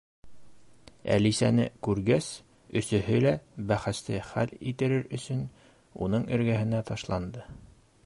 Әлисәне күргәс, өсөһө лә бәхәсте хәл иттерер өсөн уның эргәһенә ташланды.